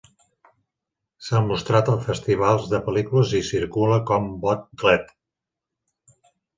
S'ha mostrat a festivals de pel·lícules i circula com bootleg.